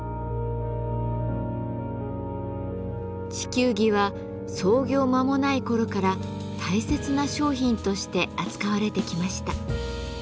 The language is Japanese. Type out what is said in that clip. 地球儀は創業間もない頃から大切な商品として扱われてきました。